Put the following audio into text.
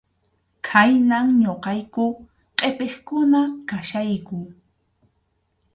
Khaynam ñuqayku qʼipiqkuna kachkayku.